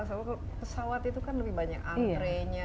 soalnya pesawat itu kan lebih banyak antrenya